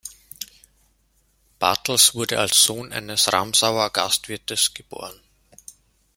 Bartels wurde als Sohn eines Ramsauer Gastwirtes geboren.